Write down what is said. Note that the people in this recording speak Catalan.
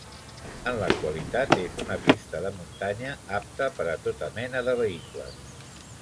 En l'actualitat és una pista de muntanya apta per a tota mena de vehicles.